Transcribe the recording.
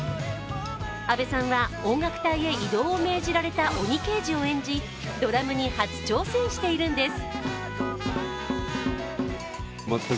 阿部さんは音楽隊へ異動を命じられた鬼刑事を演じドラムに初挑戦しているんです。